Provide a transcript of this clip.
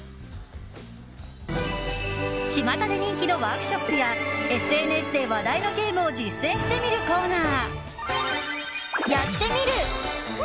ちまたで人気のワークショップやＳＮＳで話題のゲームを実践してみるコーナー